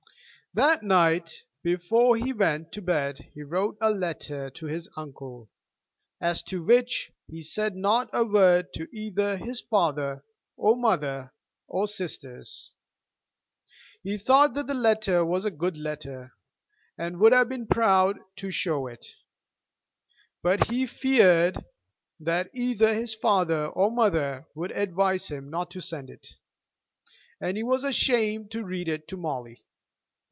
That night before he went to bed he wrote a letter to his uncle, as to which he said not a word to either his father, or mother, or sisters. He thought that the letter was a good letter, and would have been proud to show it; but he feared that either his father or mother would advise him not to send it, and he was ashamed to read it to Molly.